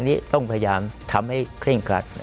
อันนี้ต้องพยายามทำให้เคร่งครัด